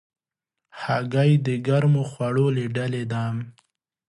هګۍ د ګرمو خوړو له ډلې ده.